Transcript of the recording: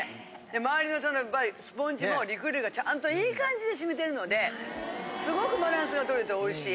周りのスポンジもリキュールがちゃんといい感じでしみてるのですごくバランスが取れておいしい。